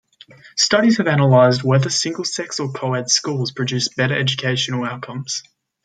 Studies have analyzed whether single-sex or co-ed schools produce better educational outcomes.